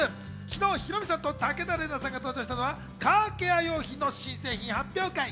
昨日、ヒロミさんと武田玲奈さんが登場したのは、カーケア商品の新製品発表会。